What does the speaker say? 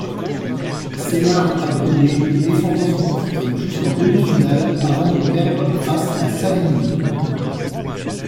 Sénart a brillé, défendant son titre jusqu'en demi-finale avant de perdre face à Savigny.